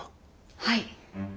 はい。